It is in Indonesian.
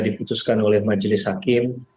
diputuskan oleh majelis hakim